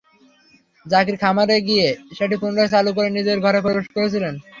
জাকির খামারে গিয়ে সেটি পুনরায় চালু করে নিজের ঘরে প্রবেশ করছিলেন।